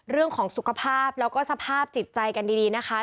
เรื่องของสุขภาพแล้วก็สภาพจิตใจกันดีนะคะ